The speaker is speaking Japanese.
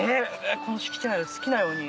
この敷地内を好きなように。